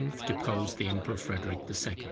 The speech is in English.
deposed the Emperor Frederic II. 1242.